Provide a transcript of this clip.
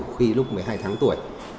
khi lúc một mươi hai tháng tuổi